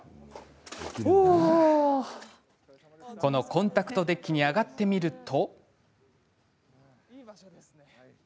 コンタクトデッキに上がってみると。